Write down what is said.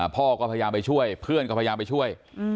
พ่อก็พยายามไปช่วยเพื่อนก็พยายามไปช่วย